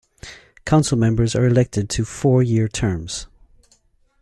Council members are elected to four-year terms.